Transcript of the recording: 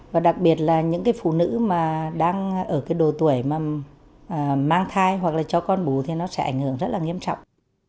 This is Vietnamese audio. và đặc biệt là những cái phụ nữ mà đang ở cái đồ tuổi mà mang thai hoặc là cho con bú thì nó sẽ ảnh hưởng rất là nghiêm trọng